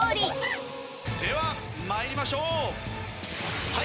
では参りましょう。